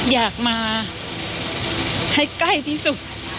อยากมาให้ใกล้ที่สุด